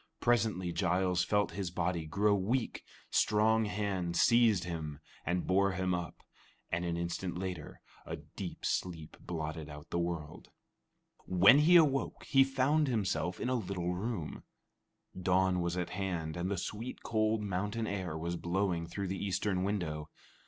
Presently Giles felt his body grow weak, strong hands seized him and bore him up, and an instant later a deep sleep blotted out the world. When he awoke, he found himself in a little room. Dawn was at hand, and the sweet, cold mountain air was blowing through the eastern window.